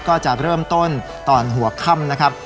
ก็จะเริ่มต้นตอนหัวค่ำนะครับ